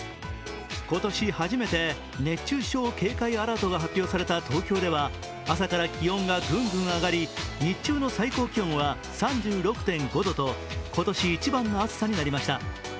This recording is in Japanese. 今年初めて熱中症警戒アラートが発表された東京では朝から気温がぐんぐん上がり日中の最高気温は３６．５度と今年一番の暑さになりました。